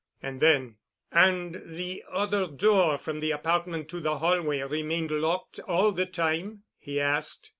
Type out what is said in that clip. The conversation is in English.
And then, "And the other door from the apartment to the hallway remained locked all the time?" he asked.